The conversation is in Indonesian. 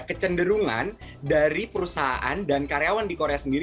kecenderungan dari perusahaan dan karyawan di korea sendiri